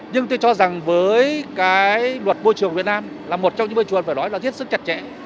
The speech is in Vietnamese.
nhưng tôi cho rằng với cái luật môi trường việt nam là một trong những môi trường phải nói là thiết sức chặt chẽ